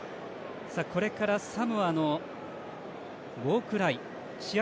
これからサモアのウォークライ試合